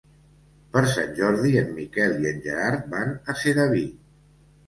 Per Sant Jordi en Miquel i en Gerard van a Sedaví.